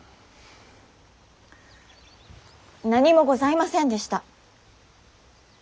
何もございませんでした。